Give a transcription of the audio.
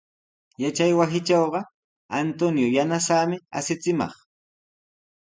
Yachaywasitrawqa Antonio yanasaami asichimaq.